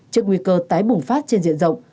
trước nguy cơ tái bùng phát trên diện rộng